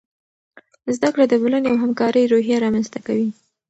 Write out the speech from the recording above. زده کړه د بلنې او همکارۍ روحیه رامنځته کوي.